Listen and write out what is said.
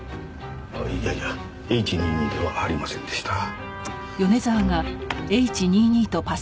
あっいやいや「Ｈ２２」ではありませんでした。